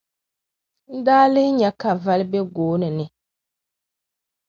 n daa lihi nya ka voli be gooni ni.